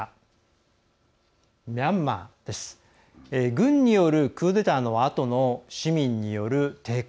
軍によるクーデターのあとの市民による抵抗。